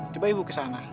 coba ibu kesana